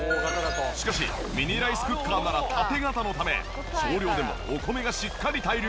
しかしミニライスクッカーなら縦型のため少量でもお米がしっかり対流。